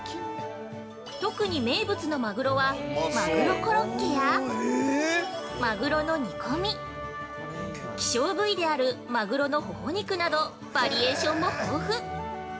特に名物のまぐろは、まぐろコロッケやまぐろの煮込み、希少部位であるまぐろのほほ肉などバリエーションも豊富！